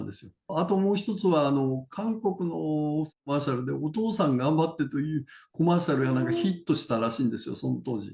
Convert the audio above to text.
あともう一つは、韓国のコマーシャルでお父さん頑張ってというコマーシャルが、なんかヒットしたらしいんですよ、その当時。